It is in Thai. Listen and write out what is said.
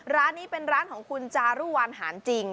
ร้านนี้เป็นร้านของคุณจารุวันหานจริง